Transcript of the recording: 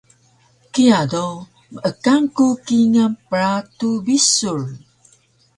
Kiya do meekan ku kingal pratu bisur